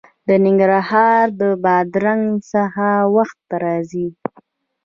د ننګرهار بادرنګ څه وخت راځي؟